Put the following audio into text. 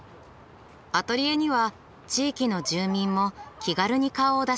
アトリエには地域の住民も気軽に顔を出します。